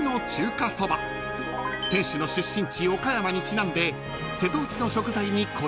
［店主の出身地岡山にちなんで］